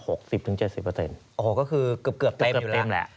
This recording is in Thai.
โอ้โฮก็คือเกือบเต็มอยู่แล้ว